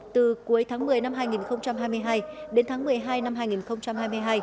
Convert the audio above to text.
từ cuối tháng một mươi năm hai nghìn hai mươi hai đến tháng một mươi hai năm hai nghìn hai mươi hai